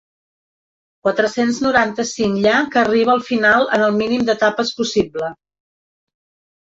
Quatre-cents noranta-cinc lla que arriba al final en el mínim d'etapes possible.